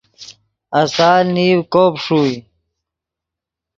آسال نیڤ کوب ݰوئے